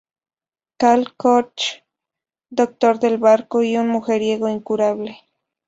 Karl Koch: Doctor del barco y un mujeriego incurable.